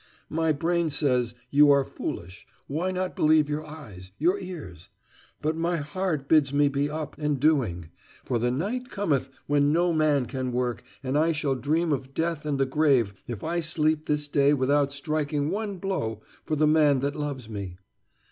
"My brain says, 'You are foolish why not believe your eyes, your ears?' but my heart bids me be up and doing, for the night cometh when no man can work, and I shall dream of death and the grave if I sleep this day without striking one blow for the man that loves me."